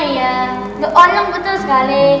iya orang betul sekali